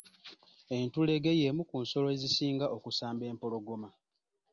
Entulege y’emu ku nsolo ezisinga okusamba empologoma.